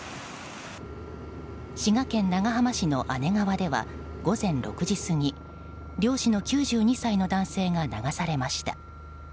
滋賀県長浜市の姉川では午前６時過ぎ漁師の９２歳の男性が流されました。